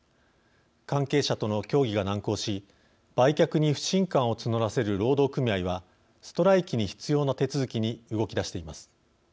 関係者との協議が難航し売却に不信感を募らせる労働組合はストライキに必要な手続きに動き出しています。